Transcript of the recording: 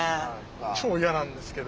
超嫌なんですけど。